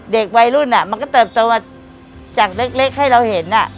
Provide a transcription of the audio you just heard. เด็กวัยรุ่นมันก็เติบโตมาจากเล็กให้เราเห็น